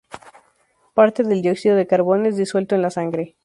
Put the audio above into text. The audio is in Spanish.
Parte del dióxido de carbono es disuelto en la sangre.